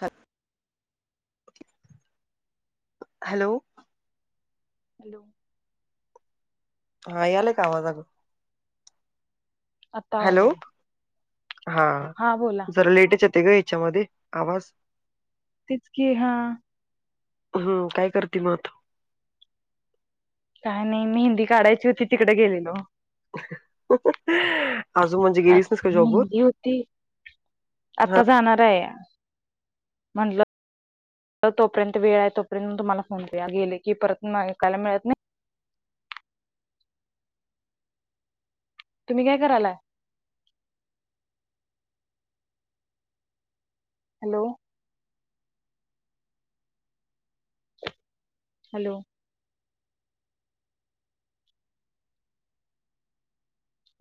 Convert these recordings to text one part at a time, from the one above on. ह hello hello हा यालाय का आवाजगं आत्ता हॅलो आवाज आला हा जरा लेटच येते ग याच्यामध्ये आवाज तेच की हा. हो काय करते म आता. काय नाही मेहंदी काढायची होती तिकडें गेलेलो. अजून म्हणजे गेलीच नस का जॉब हुन. युती. आता जाणार आहे म्हंटलं तोपर्यंत वेळ आहे तोपर्यंत तुम्हाला फोन करूया गेले की परत ऐकायला मिळत नाही. तुम्ही काय करालाय. Hello. Hello.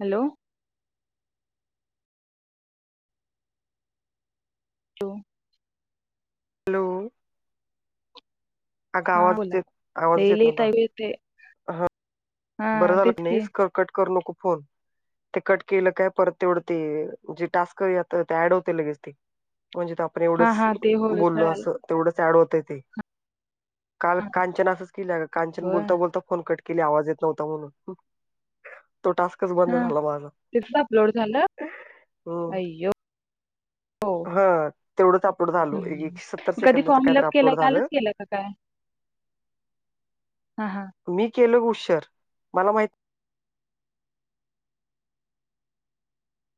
Hello. Hello. Hello अग हा आवाज बोला देत आवाज लई येत नव्हता. [unintelligible] हा हा बरं तेच झालं की नाही कट करू नको फोन ते कट केलं काय परत तेवढं ते जे टास्कत ते ऍड होते लगेच ते म्हणजे आपण हा एवढंच हा ते होय बोललो कळालं असं. तेवढंच ऍड होतं ते काल हा कांचन असंच केलं का कांचन होय बोलता बोलता फोन कट. आवाज येत नव्हता म्हणून तो टा च बंद हा झाला माझ तिथंच अपलोड झालं हम्म. अय्यो हा तेवढंच अपलोड झाल हम्म एकशे सत्तर कधी सेकंदच फॉर्म कायत फिलअप केलाय अपलोड झालं. कालच केलाय काय हा हा मी केलं गुशर मला माहित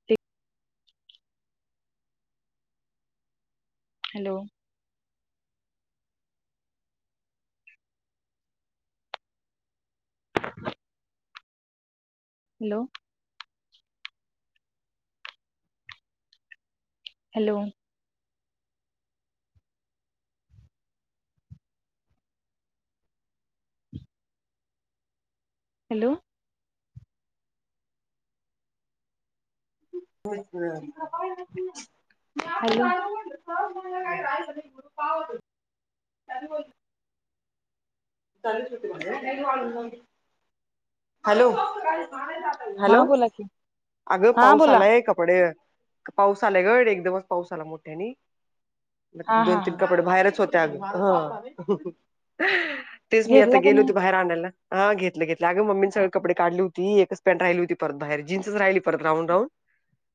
ते hello. Hello. Hello. Hello. [unintelligible] Hello. [unintelligible] Hello. हा हॅलो बोला की अगं हा पाऊस बोला आलाय कपडे पाऊस आलाय गड एकदमच पाऊस आला मोठ्यानी म हा दोन हा तीन हा कपडे बाहेरच होत ह तेच मी आता घेरला का गेलो नाही होती बाहेर आणायला हा घेतलं घेतलं अगे मम्मीनी सगळे कपडे काढली होती एकच पॅट राहिली होतीत बाहेर जन्सच राहिली परत राहून राहून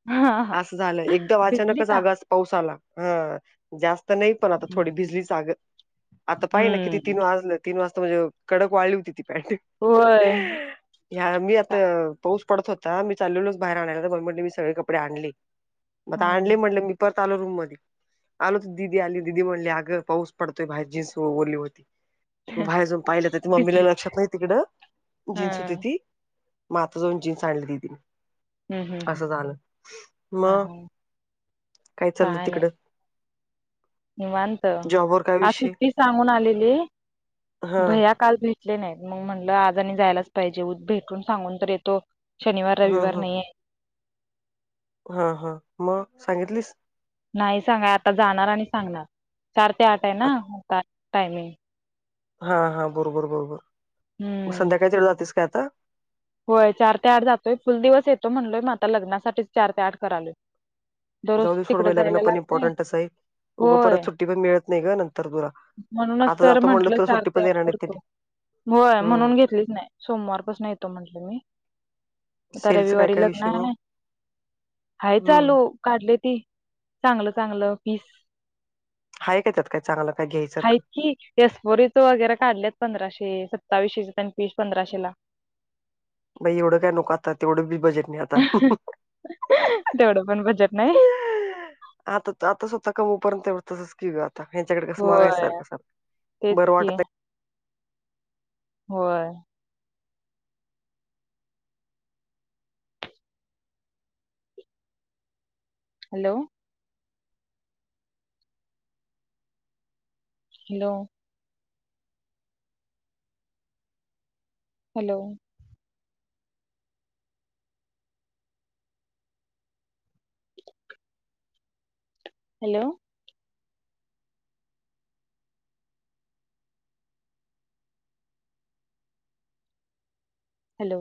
हा हा हा. असं झालं एकदा भिजली अचानकच का आगास पाऊसाला हा. जास्त नाही पण आता हम्म थोडी भिजलीचग आता पाहिना किती हम्म. तीन वाजलेत. तीन वाजता म्हणे कडक वाढली होती ती पॅन्ट. व्हय. ह्या मी आता पाऊस पडत होता मी चाललेलोच बाहेर आणायला तर म म्हटले मी सगळे कपडे आणले आता आणले हम्म म्हणले मी पण आलो रूम मध्ये आलो तर दिदी आली दिदी म्हणले अगं पाऊस पडतोय बाहेर जीन्स ओरली होती. बाहेर जान पाहिलं तर ते ममीला भिजली लक्षात नाही तिकडं हा जीन्स होती ती मात जाऊन जीन्स आणली दिदी. हम्म हम्म हम्म. असं झालं हा मग हा काय चाललं तिकड. निवांत आ विषय सुट्टी सांगून आलेली हा भैय्या काल भेटले नाहीत मग म्हटलं आज आणि जायलाच पाहिजे उ भेटून सांगून तर येतो. शनिवार हा रविवार हा नाहीये. हा हा मग सांगितलीस नाही सांगा आता जाणार आणि सांगणार चार ते आठ आहे ना आत- होता टायमिंग. हा हा बरोबर बरोबर मग हम्म संध्याकाळी तेवढं जातेस काय आता? होय चार ते आठ जातोय फुल दिवस येतो म्हणलोय मग आता लग्नासाठी चार ते आठ करालोय. दररोज जाऊदे तिकडे सोडबाय लग्न जायला पण लागतंय इम्पॉर्टंटच आहे. उगं होय परत सुट्टी पण मिळत नाही ग नंतर तुला म्हणूनच आता तर जातो म्हंटलं म्हणलं तु चार सुट्टी ते पण आठ देणार नाही करतो. त्याली होय म्हणून घेतलीच नाही सोमवारपासून येतो म्हटलं मी आता सेलचं काय रविवारी काय लग्न विषय मग आहे. हाय हम्म चालू. काढले ते चांगलं चांगलं पीस. आहे काय त्यात काय चांगलं काय घ्यायसारखं? एस. बो. री. च वगैरे काढल्यात पंधराशे, सताविषेचे पीस पंधराशे ला. बई एवढं काय नोकत आता तेवढं बी बजेट नाही आता. तेवढं पण बजेट नाही आता आता स्वतः कमपर्यंत तसंच की ग. हच्याकडे कसं मागायचं होय सारख सारख तेच बरं की वाटत नाही. होय. Hello. Hello. Hello. Hello. Hello.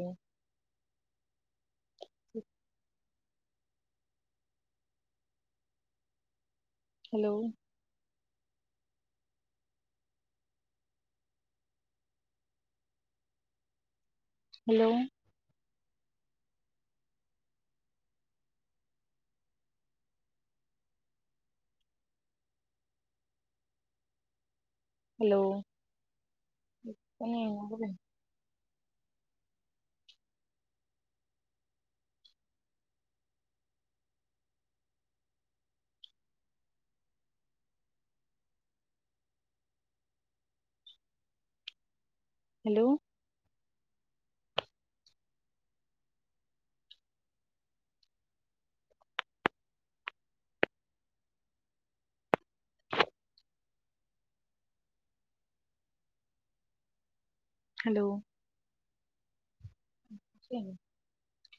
Hello. Hello. Hello. [inaudible] Hello. Hello.